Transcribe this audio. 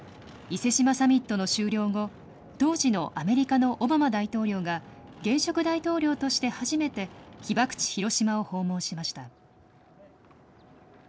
伊勢志摩サミットの終了後、当時のアメリカのオバマ大統領が現職大統領として初めて被爆地、広島を訪問しました。